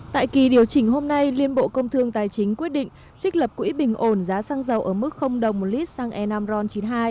tại kỳ điều chỉnh hôm nay liên bộ công thương tài chính quyết định trích lập quỹ bình ổn giá xăng dầu ở mức đồng một lít xăng e năm ron chín mươi hai